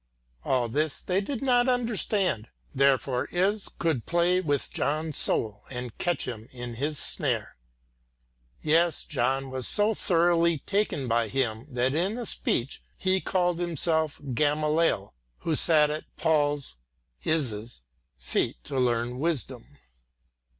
All this they did not understand. Therefore Is could play with John's soul and catch him in his snare. Yes, John was so thoroughly taken by him that in a speech he called himself Gamaliel, who sat at Paul's Is's feet to learn wisdom.